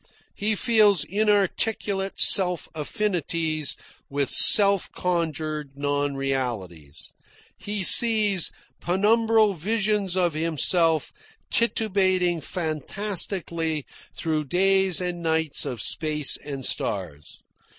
He feels inarticulate self affinities, with self conjured non realities. He sees penumbral visions of himself titubating fantastically through days and nights of space and stars.